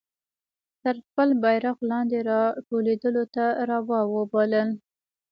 تر خپل بیرغ لاندي را ټولېدلو ته را وبلل.